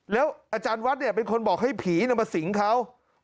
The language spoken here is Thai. แล้วอาจารย์วัดเนี่ยเป็นคนบอกให้ผีมาสิงเขา